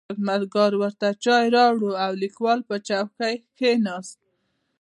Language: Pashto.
خدمتګار ورته چای راوړ او لیکوال په چوکۍ کې کښېناست.